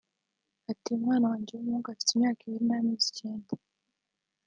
Ati “ Umwana wanjye w’umuhungu ufite imyaka ibiri n’amezi icyenda